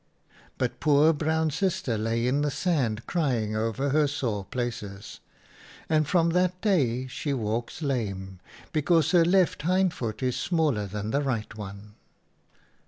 " But poor Brown Sister lay in the sand crying over her sore places, and from that day she walks lame, because her left hind foot is smaller than the right one."